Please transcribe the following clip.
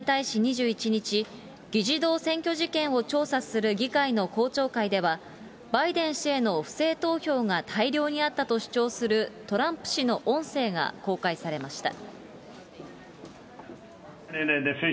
この問題に対し２１日、議事堂占拠事件を調査する議会の公聴会では、バイデン氏への不正投票が大量にあったと主張するトランプ氏の音声が公開されました。